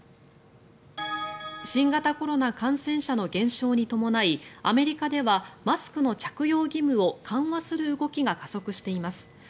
新型コロナ感染者の減少に伴いアメリカではマスクの着用義務を緩和する動きが加速しています。